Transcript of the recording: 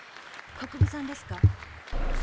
国府さんですか？